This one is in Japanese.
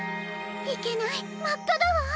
いけないまっかだわ！